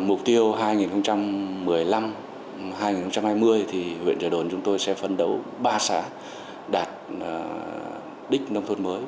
mục tiêu hai nghìn một mươi năm hai nghìn hai mươi thì huyện trợ đồn chúng tôi sẽ phân đấu ba xã đạt đích nông thôn mới